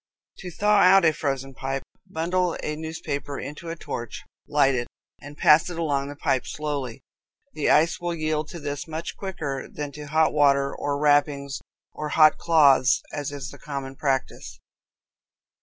To thaw out a frozen pipe, bundle a newspaper into a torch, light it, and pass it along the pipe slowly. The ice will yield to this much quicker than to hot water or wrappings or hot cloths, as is the common practice.